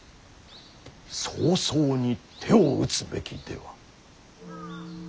早々に手を打つべきでは。